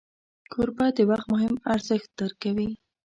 کوربه د وخت مهم ارزښت درک کوي.